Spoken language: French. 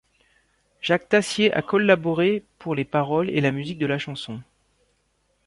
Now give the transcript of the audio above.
Jacques Tassier a collaboré pour les paroles et la musique de la chanson.